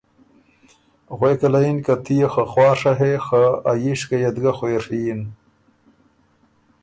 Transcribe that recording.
غوېکه له یِن که ”تُو يې خه خواڒه هې خه ا ييشکئ ات ګۀ خوېڒی یِن“